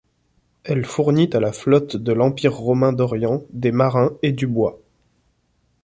Elle fournit à la flotte de l'Empire romain d'Orient des marins et du bois.